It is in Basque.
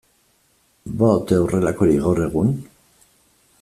Ba ote horrelakorik gaur egun?